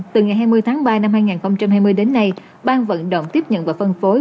từ ngày hai mươi tháng ba năm hai nghìn hai mươi đến nay ban vận động tiếp nhận và phân phối